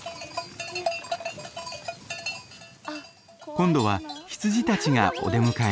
今度は羊たちがお出迎え。